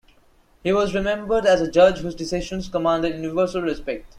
He was remembered as a judge whose decisions commanded universal respect.